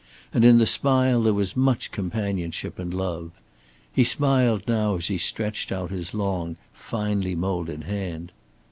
And in the smile there was much companionship and love. He smiled now as he stretched out his long, finely molded hand.